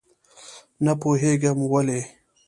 نه پوهېږم ولې.